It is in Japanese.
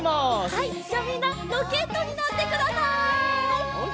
はいじゃあみんなロケットになってください。